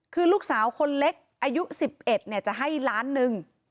คือลูกสาวคนเล็กอายุ๑๑จะให้ล้านหนึ่ง